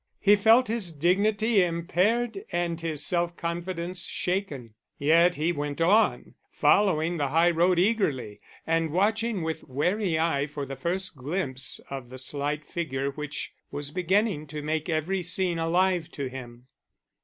He felt his dignity impaired and his self confidence shaken, yet he went on, following the high road eagerly and watching with wary eye for the first glimpse of the slight figure which was beginning to make every scene alive to him.